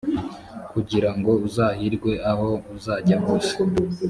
kugira ngo uzahirwe aho uzajya hose.